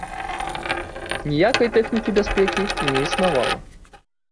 Ніякай тэхнікі бяспекі не існавала.